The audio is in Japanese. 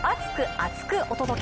厚く！お届け！。